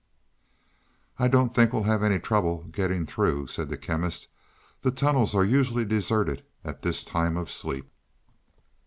"I don't think we'll have any trouble getting through," said the Chemist. "The tunnels are usually deserted at the time of sleep."